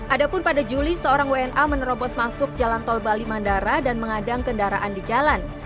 adapun pada juli seorang wna menerobos masuk jalan tol bali mandara dan mengadang kendaraan di jalan